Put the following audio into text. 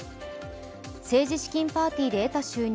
政治資金パーティーで得た収入